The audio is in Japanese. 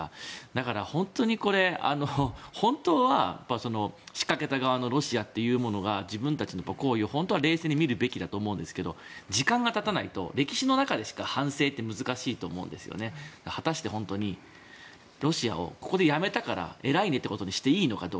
だから本当に本当は仕掛けた側のロシアというものが自分たちの行為を冷静に見ると思うんですが時間がたたないと歴史の中でしか反省って難しいと思うので果たして本当にロシアをここでやめたから偉いねってことにしていいのか。